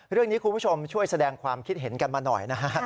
คุณผู้ชมช่วยแสดงความคิดเห็นกันมาหน่อยนะฮะ